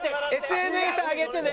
ＳＮＳ上げてね。